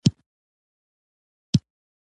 دا عفونت د سوي او خارښت لامل ګرځي.